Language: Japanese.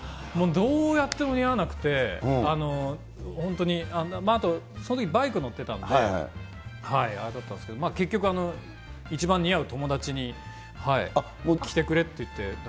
もうどうやっても似合わなくて、本当に、あと、そのときバイク乗ってたんで、あれだったんですけど、結局、一番似合う友達に着てくれって言って。